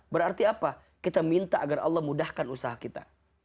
berarti apa kita minta agar allah mudahkan usaha kita